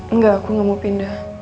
enggak aku nggak mau pindah